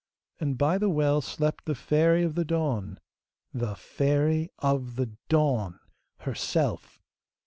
And by the well slept the Fairy of the Dawn the Fairy of the Dawn herself!